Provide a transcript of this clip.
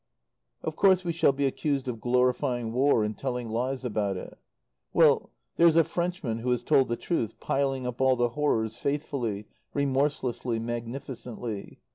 Of course we shall be accused of glorifying War and telling lies about it. Well there's a Frenchman who has told the truth, piling up all the horrors, faithfully, remorselessly, magnificently.